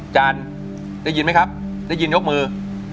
จานได้ยินไหมครับได้ยินยกมือ